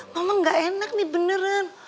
memang gak enak nih beneran